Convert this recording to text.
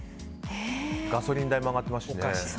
ガソリン代も上がってますしね。